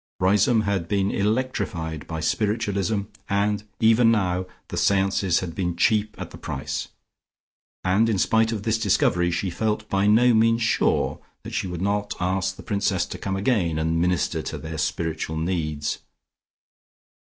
Riseholme had been electrified by spiritualism, and, even now, the seances had been cheap at the price, and in spite of this discovery, she felt by no means sure that she would not ask the Princess to come again and minister to their spiritual needs.